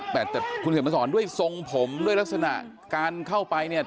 แต่คุณเขียนมาสอนด้วยทรงผมด้วยลักษณะการเข้าไปเนี่ย